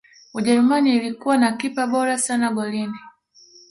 ujerumani ilikuwa na kipa bora sana golini